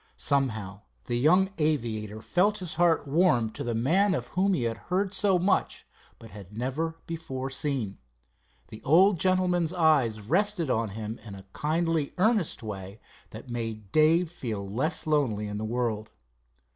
Somehow the young aviator felt his heart warm to the man of whom he had heard so much, but had never before seen. The old gentleman's eyes rested on him in a kindly earnest way that made Dave feel less lonely in the world.